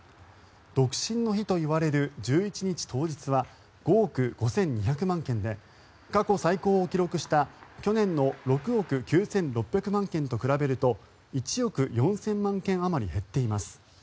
独身の日といわれる１１日当日は５億５２００万件で過去最高を記録した去年の６億９６００万件と比べると１億４０００万件あまり減っています。